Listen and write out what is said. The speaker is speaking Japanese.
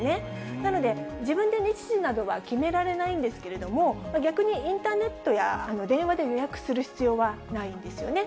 なので、自分で日時などは決められないんですけれども、逆にインターネットや電話で予約する必要はないんですよね。